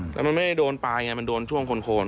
แต่มันไม่ได้โดนปลาไงมันโดนช่วงคนโคน